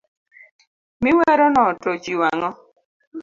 Mi werono to ochiwo ang'o.